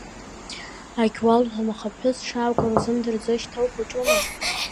Агьуалҳәом, аха ԥҳәыс дшааугара узымдырӡои, шьҭа ухәҷума?